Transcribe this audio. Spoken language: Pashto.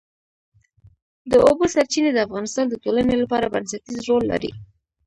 د اوبو سرچینې د افغانستان د ټولنې لپاره بنسټيز رول لري.